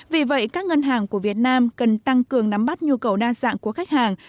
vì vậy các ngân hàng của việt nam cần tăng cường nắm bắt nhu cầu đa dạng của khách hàng